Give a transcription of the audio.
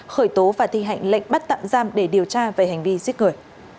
khởi tố và thi hành lệnh bắt tạm giam để điều tra về hành vi giết người